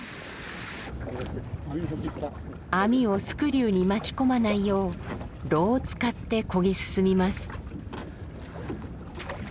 網をスクリューに巻き込まないよう櫓を使って漕ぎ進みます。